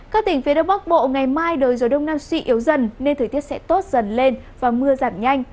các tỉnh phía đông bắc bộ ngày mai đời gió đông nam suy yếu dần nên thời tiết sẽ tốt dần lên và mưa giảm nhanh